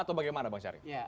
atau bagaimana bang syarif